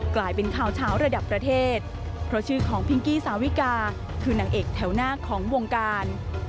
กลายเป็นข่าวเช้าระดับประเทศเพราะชื่อของพิงกี้สาวิกาคือนางเอกแถวหน้าของวงการ